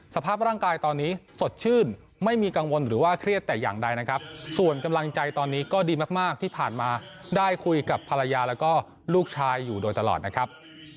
สภาพร่างกายตอนนี้สดชื่นไม่มีกังวลหรือว่าเครียดแต่อย่างใดนะครับส่วนกำลังใจตอนนี้ก็ดีมากที่ผ่านมาได้คุยกับภรรยาแล้วก็ลูกชายอยู่โดยตลอดนะครับ